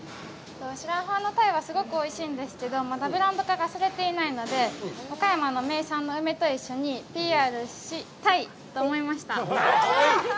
白浜の鯛はすごくおいしいんですけど、ブランド化がされていないので、和歌山の名産の梅と一緒にＰＲし鯛と思いました！